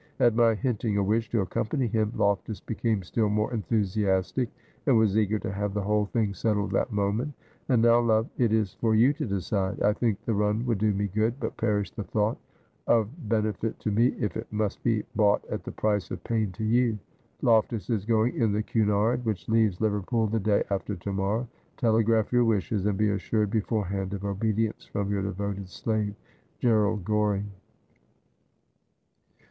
At my hinting a wish to accompany him Loftus became still more enthusiastic, and was eager to have the whole thing settled that moment. And now, love, it is for you to decide. I think the run would do me good ; but perish the thought of benefit to me if it must be bought at the price of pain to you. Loftus is going in the Cunard, which leaves Liverpool the day after to morrow. Telegraph your wishes, and be assured before hand of obedience from your devoted slave, 'GrEKALD GORING.'